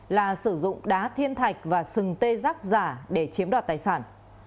là sử dụng đá thiên thạch và sừng tê giác giả để chiếm đoạt tài sản